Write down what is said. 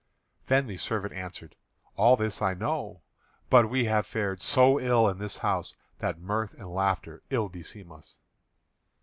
Then the servant answered: "All this I know; but we have fared so ill in this house that mirth and laughter ill beseem us."